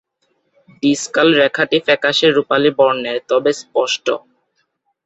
ডিসকাল রেখাটি ফ্যাকাশে রুপালি বর্ণের তবে স্পষ্ট।